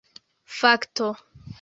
fakto